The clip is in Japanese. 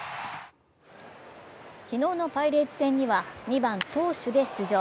昨日のパイレーツ戦には２番・投手で出場。